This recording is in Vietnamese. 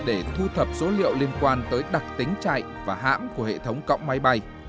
để thu thập số liệu liên quan tới đặc tính chạy và hãng của hệ thống cọng máy bay